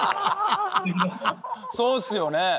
そうっすよね！